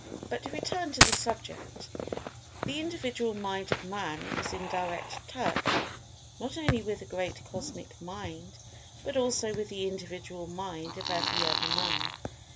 But to return to the subject—the Individual Mind of Man is in direct touch, not only with the great Cosmic Mind, but also with the Individual Mind of every other Man.